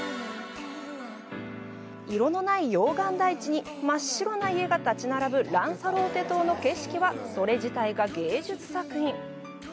色のない溶岩大地に真っ白な家が立ち並ぶランサローテ島の景色はそれ自体が芸術作品。